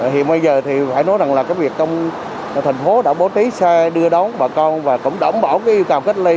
hiện bây giờ thì phải nói rằng là cái việc thành phố đảm bảo trái xa đưa đón bà con và cũng đảm bảo cái càm cách lây